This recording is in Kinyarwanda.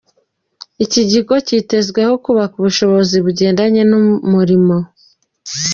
Iki kigo kitezweho kubaka ubushobozi bugendanye n’umurimo.